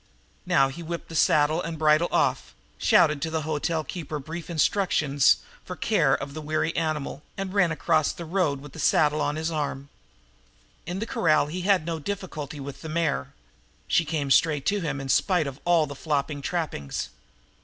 Now he whipped the saddle and bridle off, shouted to the hotel keeper brief instructions for the care of the weary animal and ran across the road with the saddle on his arm. In the corral he had no difficulty with the mare. She came straight to him in spite of all the flopping trappings.